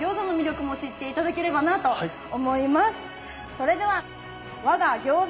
それでは我が餃子